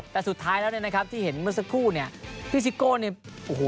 แต่สุดท้ายแล้วเนี่ยนะครับที่เห็นเมื่อสักครู่เนี่ยพี่ซิโก้เนี่ยโอ้โห